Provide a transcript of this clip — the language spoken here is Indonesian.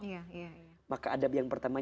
iya maka adab yang pertama